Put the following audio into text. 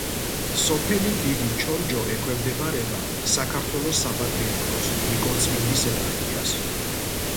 სოფელი დიდი ჩორჯო ექვემდებარება საქართველოს საპატრიარქოს ნიკორწმინდის ეპარქიას.